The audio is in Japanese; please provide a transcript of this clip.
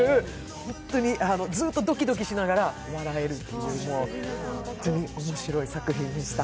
ずーっとドキドキしながら笑えるっていう本当に面白い作品でした。